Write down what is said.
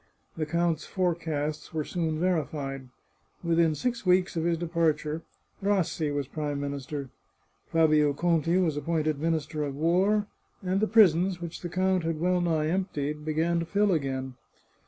The count's forecasts were soon verified. Within six weeks of his departure, Rassi was Prime Minister. Fabio Conti was appointed Minister of War, and the prisons, which the count had well nigh emp tied, began to fill again.